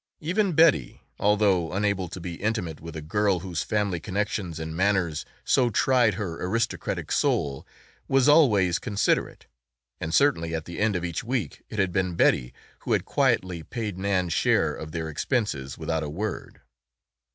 Even Betty, although unable to be intimate with a girl whose family connections and manners so tried her aristocratic soul, was always considerate and certainly at the end of each week it had been Betty who had quietly paid Nan's share of their expenses without a word.